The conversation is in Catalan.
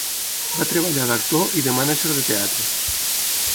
Va treballar d'actor i de mànager de teatre.